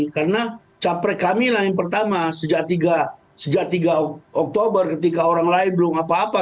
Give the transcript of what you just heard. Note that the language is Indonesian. karena capres kami yang pertama sejak tiga oktober ketika orang lain belum apa apa